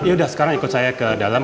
yaudah sekarang ikut saya ke dalam